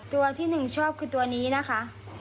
ตัวที่หนึ่งชอบคือตัวนี้นะคะ